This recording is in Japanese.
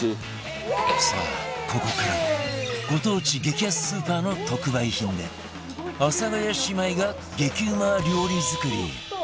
さあここからご当地激安スーパーの特売品で阿佐ヶ谷姉妹が激うま料理作り